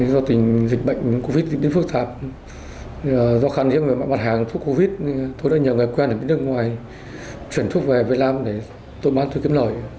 do tình dịch bệnh covid một mươi chín phức tạp do khăn hiếm về mặt hàng thuốc covid một mươi chín tôi đã nhờ người quen ở nước ngoài chuyển thuốc về việt nam